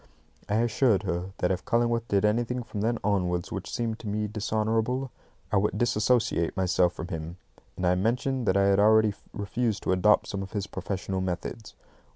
I assured her that if Cullingworth did anything from then onwards which seemed to me dishonourable, I would disassociate myself from him, and I mentioned that I had already refused to adopt some of his professional methods.